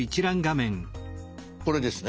これですね。